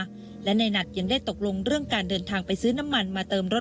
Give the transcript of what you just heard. และในหนักยังได้ตกลงเรื่องการเดินทางไปซื้อน้ำมันมาเติมรถ